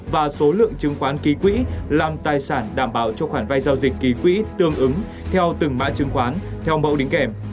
và số lượng chứng khoán ký quỹ làm tài sản đảm bảo cho khoản vay giao dịch ký quỹ tương ứng theo từng mã chứng khoán theo mẫu đính kèm